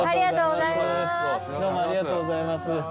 ありがとうございます。